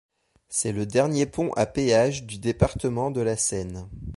C'est le dernier pont à péage du département de la Seine.